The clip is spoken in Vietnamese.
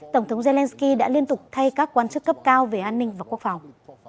tổng thống zelenskyy đã liên tục thay các quan chức cấp cao về an ninh và quốc phòng